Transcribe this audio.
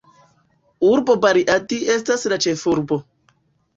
Urbo Bariadi estas la ĉefurbo.